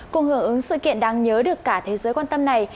cùng hưởng ứng sự kiện đáng nhớ được cả thế giới quan tâm này